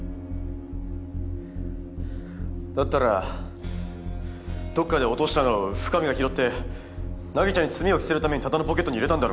だったらどっかで落としたのを深水が拾って凪ちゃんに罪を着せるために多田のポケットに入れたんだろ。